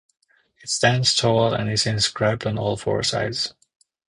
It stands tall and is inscribed on all four sides.